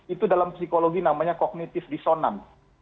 itu dalam psikologi namanya kognitif disonan